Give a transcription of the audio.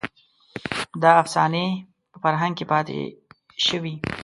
دا افسانې په فرهنګ کې پاتې شوې.